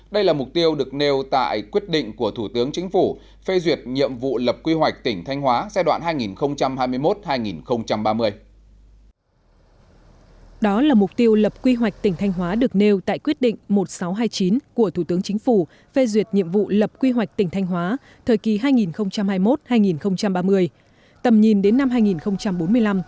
đó là mục tiêu lập quy hoạch tỉnh thanh hóa được nêu tại quyết định một nghìn sáu trăm hai mươi chín của thủ tướng chính phủ phê duyệt nhiệm vụ lập quy hoạch tỉnh thanh hóa thời kỳ hai nghìn hai mươi một hai nghìn ba mươi tầm nhìn đến năm hai nghìn bốn mươi năm